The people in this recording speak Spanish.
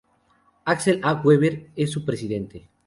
Axel A. Weber es su presidente.